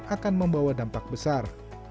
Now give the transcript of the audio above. akan membawa dampak besar